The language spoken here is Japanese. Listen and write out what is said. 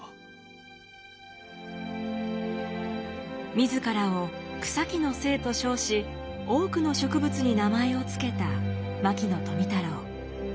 自らを草木の精と称し多くの植物に名前をつけた牧野富太郎。